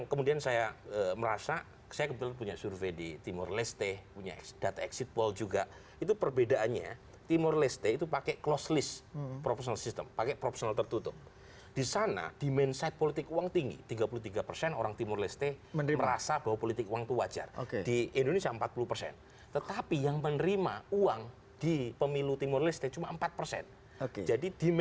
kepala kepala kepala kepala